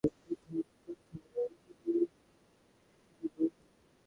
জানিস, ও খুব ভাল গান গায়।